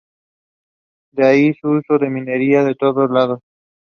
De ahí su uso en minería de datos.